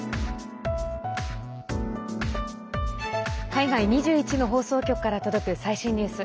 海外２１の放送局から届く最新ニュース。